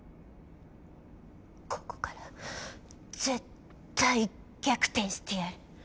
ここから絶対逆転してやる。